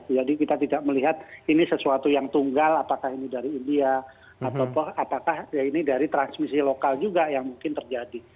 jadi kita tidak melihat ini sesuatu yang tunggal apakah ini dari india atau apakah ini dari transmisi lokal juga yang mungkin terjadi